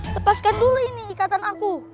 lepaskan dulu ini ikatan aku